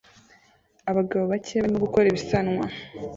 Abagabo bake barimo gukora ibisanwa